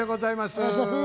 お願いします。